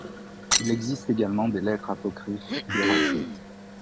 Il existe également des lettres apocryphes d'Héraclite.